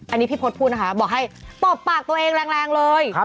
อันนี้พี่พศพูดนะคะบอกให้ตบปากตัวเองแรงเลย